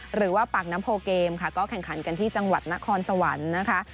หรือว่าปากน้ำโพเกมค่ะก็แข่งขันกันที่จังหวัดนครสวรรค์นะคะ